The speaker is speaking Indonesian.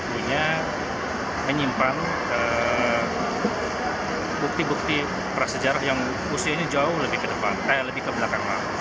punya menyimpan bukti bukti prasejarah yang usia ini jauh lebih ke belakang